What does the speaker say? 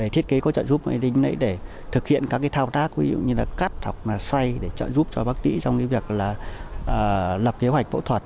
thiết kế có trạng dụng để thực hiện các thao tác ví dụ như cắt hoặc xoay để trạng dụng cho bác tĩ trong việc lập kế hoạch phẫu thuật